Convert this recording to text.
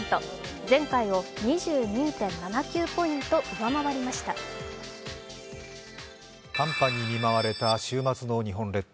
前回を２２．７９ポイント上回りました寒波に見舞われた週末の日本列島。